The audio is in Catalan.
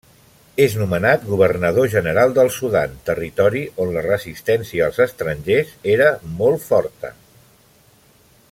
És nomenat Governador General del Sudan, territori on la resistència als estrangers era molt forta.